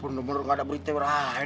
bener bener gak ada berita lain